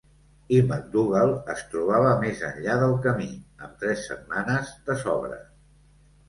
I MacDougall es trobava més enllà del camí, amb tres setmanes de sobres.